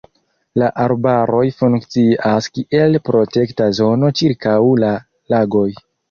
La arbaroj funkcias kiel protekta zono ĉirkaŭ la lagoj.